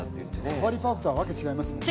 サファリパークとは訳違いますもんね